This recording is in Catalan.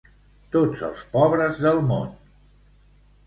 Tots els pobres del món!